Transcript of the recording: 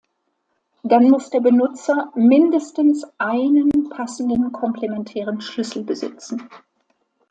Dann muss der Benutzer mindestens einen passenden komplementären Schlüssel besitzen.